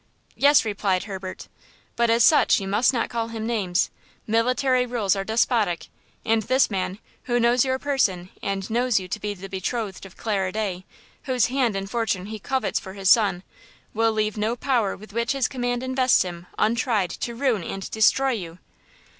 "Yes," replied Herbert, "but as such you must not call him names; military rules are despotic; and this man, who knows your person and knows you to be the betrothed of Clara Day, whose hand and fortune he covets for his son, will leave no power with which his command invests him untried to ruin and destroy you!